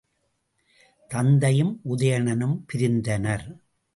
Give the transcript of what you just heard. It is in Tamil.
தத்தையும் உதயணனும் பிரிந்தனர்.